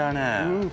うん。